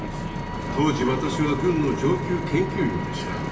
当時私は軍の上級研究員でした。